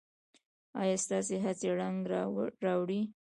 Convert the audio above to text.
ایا ستاسو هڅې رنګ راوړي؟